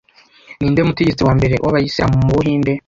Ninde mutegetsi wa mbere w’abayisilamu mu Buhinde